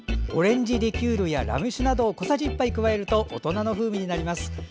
オレンジリキュールやラム酒など小さじ１杯加えると大人の風味になります。